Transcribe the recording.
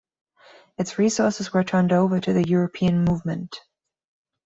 Its resources were turned over to the European Movement.